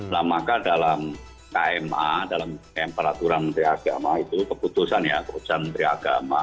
nah maka dalam kma dalam peraturan menteri agama itu keputusan ya keputusan menteri agama